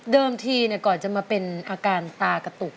เดิมที่นะก่อนจะมาเป็นอาการตากระตุก